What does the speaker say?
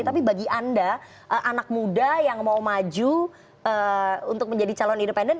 tapi bagi anda anak muda yang mau maju untuk menjadi calon independen